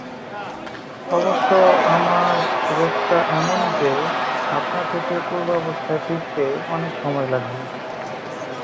অবশ্য আমার রোগটা এমনই যে আপনা থেকে পূর্বাবস্থায় ফিরতে অনেক সময় লাগবে।